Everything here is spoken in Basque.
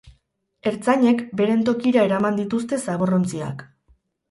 Ertzainek beren tokira eraman dituzte zaborrontziak.